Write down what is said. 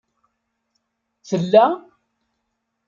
Tella?